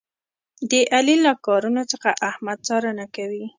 د علي له کارونو څخه احمد څارنه کوي.